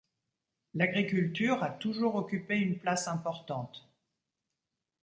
L’agriculture a toujours occupé une place importante.